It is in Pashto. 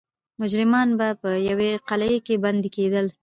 مجرمان به په یوې قلعې کې بندي کېدل.